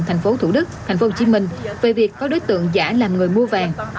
tp thủ đức tp hcm về việc có đối tượng giả làm người mua vàng